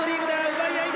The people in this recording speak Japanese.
奪い合いだ